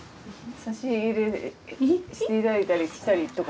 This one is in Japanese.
差し入れしていただいたりしたりとか？